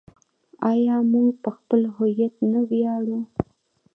آیا موږ په خپل هویت نه ویاړو؟